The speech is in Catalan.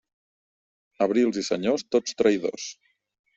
Abrils i senyors, tots traïdors.